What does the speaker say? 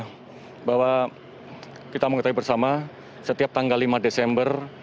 saya ingin mengucapkan bahwa kita mengerti bersama setiap tanggal lima desember